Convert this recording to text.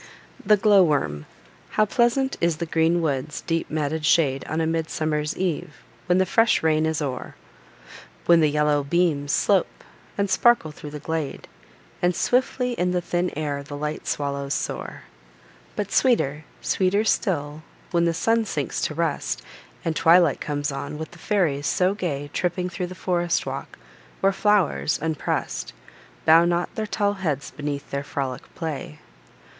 THE GLOW WORM. How pleasant is the green wood's deep matted shade On a mid summer's eve, when the fresh rain is o'er; When the yellow beams slope, and sparkle thro' the glade, And swiftly in the thin air the light swallows soar! But sweeter, sweeter still, when the sun sinks to rest, And twilight comes on, with the fairies so gay Tripping through the forest walk, where flow'rs, unprest, Bow not their tall heads beneath their frolic play.